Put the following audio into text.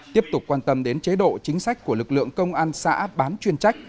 tiếp tục quan tâm đến chế độ chính sách của lực lượng công an xã bán chuyên trách